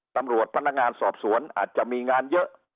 ตำรวจพนักงานสอบสวนอาจจะมีงานเยอะ